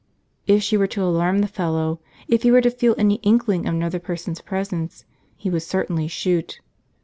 If she were to alarm the fellow, if he were to feel any inkling of another person's presence, he would certainly shoot.